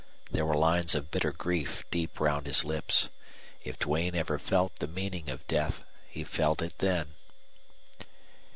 There were lines of bitter grief deep round his lips. If Duane ever felt the meaning of death he felt it then.